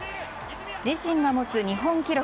自身が持つ日本記録